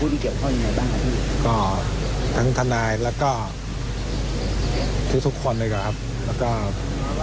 ดีครับก็ถือว่าดีที่สุดแหล่ะครับ